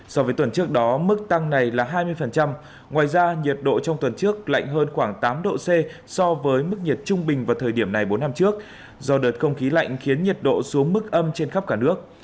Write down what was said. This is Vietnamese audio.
so với tuần trước đó mức tăng này là hai mươi ngoài ra nhiệt độ trong tuần trước lạnh hơn khoảng tám độ c so với mức nhiệt trung bình vào thời điểm này bốn năm trước do đợt không khí lạnh khiến nhiệt độ xuống mức âm trên khắp cả nước